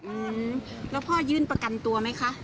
อืมแล้วพ่อยื่นประกันตัวไหมคะ